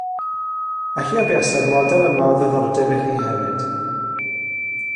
Ella buasai'r model yma o ddiddordeb i chi hefyd